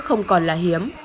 không còn là hiếm